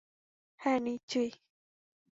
হ্যাঁঁ, নিশ্চয়।